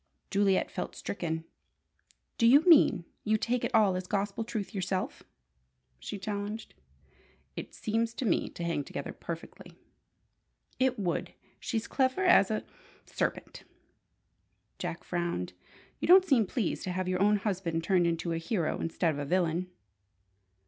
Juliet felt stricken. "Do you mean you take it all as gospel truth yourself?" she challenged. "It seems to me to hang together perfectly." "It would! She's clever as a serpent." Jack frowned. "You don't seem pleased to have your own husband turned into a hero instead of a villain."